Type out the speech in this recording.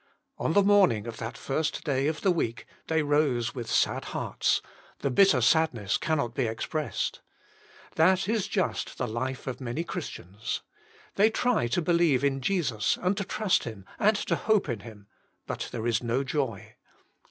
On the morn ing of that first day of the week, they rose with sad hearts — the bitter sad Jesus Himself, 11 ness cannot be expressed. That is just the life of many Christians. They try to believe in Jesus and to trust Him, and to hope in Him, but there is no joy.